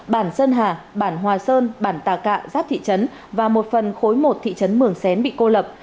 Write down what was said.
bản sơn hà bản hòa sơn bản tà cạ giáp thị trấn và một phần khối một thị trấn mường xén bị cô lập